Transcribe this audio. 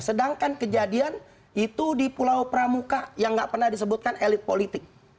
sedangkan kejadian itu di pulau pramuka yang nggak pernah disebutkan elit politik